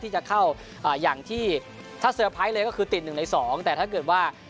ที่จะเข้าอ่าอย่างที่ถ้าเลยก็คือติดหนึ่งในสองแต่ถ้าเกิดว่า